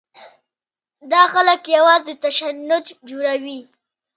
دا خلک یوازې تشنج جوړوي.